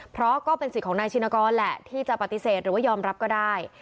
เพราะก็เป็นสิทธิ์ของนายชินกรแหละที่จะปฏิเสธหรือว่ายอมรับก็ได้